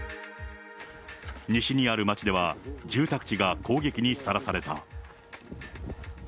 西にある町では、住宅地が攻撃にさらされた。